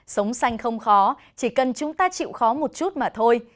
sống xanh không khó chỉ cần chúng ta chịu khó một chút mà thôi